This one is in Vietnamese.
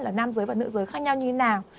là nam giới và nữ giới khác nhau như thế nào